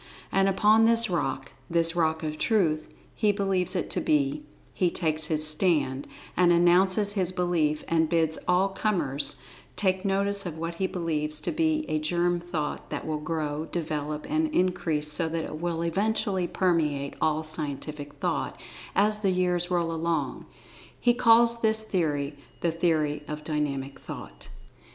And upon this rock—this rock of Truth, he believes it to be—he takes his stand, and announces his belief, and bids all comers take notice of what he believes to be a germ thought that will grow, develop, and increase so that it will eventually permeate all Scientific Thought as the years roll along. He calls this theory "The Theory of Dynamic Thought."